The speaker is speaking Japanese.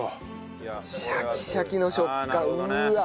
シャキシャキの食感うわっ！